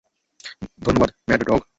ধন্যবাদ, mad dog!